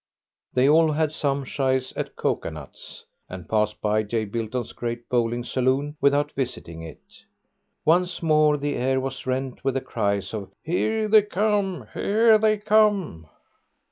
They all had some shies at cocoa nuts, and passed by J. Bilton's great bowling saloon without visiting it. Once more the air was rent with the cries of "Here they come! Here they come!"